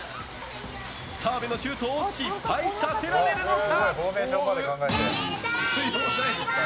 澤部のシュートを失敗させられるのか。